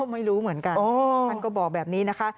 ไม่รู้เหมือนกันท่านก็บอกแบบนี้นะคะ